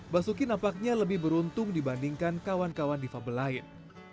basuki nampaknya lebih beruntung dibandingkan kawan kawan difabel lain